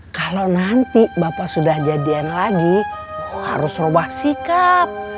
kalau nanti bapak sudah jadian lagi harus rubah sikap